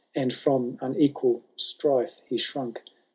And from unequal strife he shrunk.